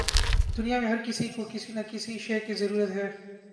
دنیا میں ہر کسی کو کسی نہ کسی شے کی ضرورت ہے